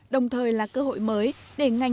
đồng thời là cơ hội mới để ngành